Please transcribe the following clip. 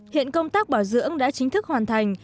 hiện công tác bảo dưỡng đã chính thức hoàn thành